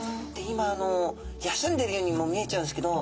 今休んでいるようにも見えちゃうんですけど